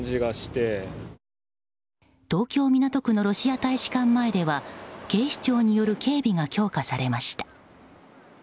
東京・港区のロシア大使館前では警視庁による警備が強化されました。